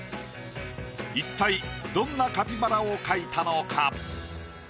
一体どんなカピバラを描いたのか？